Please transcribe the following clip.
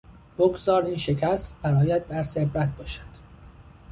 بگذار این شکست برایت درس عبرت باشد!